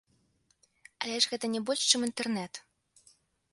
Але ж гэта не больш чым інтэрнэт!